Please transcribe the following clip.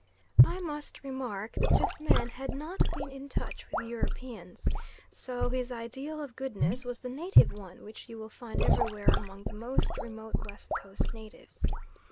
I must remark that this man had not been in touch with Europeans, so his ideal of goodness was the native one which you will find everywhere among the most remote West Coast natives.